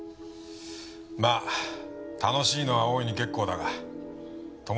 まあ楽しいのは大いに結構だが友達は選べよ。